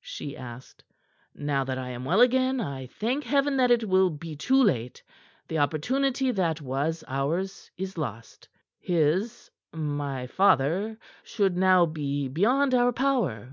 she asked. "Now that I am well again I thank Heaven that it will be too late. The opportunity that was ours is lost. His my father should now be beyond our power."